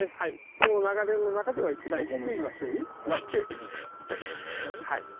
この流れの中では一番低い場所になっております。